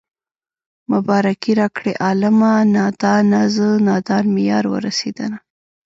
مبارکي راکړئ عالمه نادانه زه نادان مې يار ورسېدنه